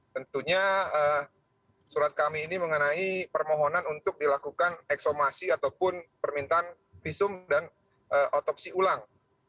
tentunya surat kami ini mengenai permohonan untuk dilakukan eksomasi ataupun permintaan visum dan otopsi ulang